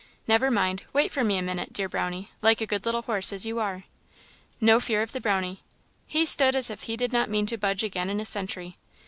"Never mind, wait for me a minute, dear Brownie, like a good little horse as you are!" No fear of the Brownie. He stood as if he did not mean to budge again in a century.